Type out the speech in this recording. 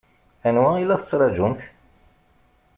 Anwa i la tettṛaǧumt?